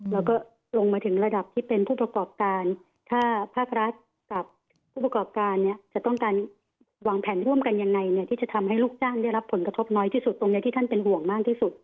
แล้วก็ลงมาถึงระดับที่เป็นผู้ประกอบการถ้าภาครัฐกับผู้ประกอบการเนี่ยจะต้องการวางแผนร่วมกันยังไงเนี่ยที่จะทำให้ลูกจ้างได้รับผลกระทบน้อยที่สุดตรงนี้ที่ท่านเป็นห่วงมากที่สุด